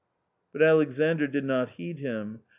But Alexandr did not heed him.